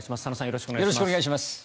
よろしくお願いします。